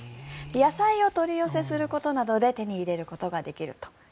野菜を取り寄せすることなどで手に入れることができると。